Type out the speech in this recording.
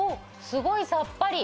すごいさっぱり。